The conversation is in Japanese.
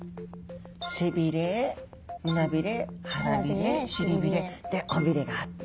背びれ胸びれ腹びれ臀びれで尾びれがあって。